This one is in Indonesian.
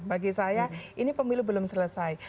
bagi saya ini pemilu belum selesai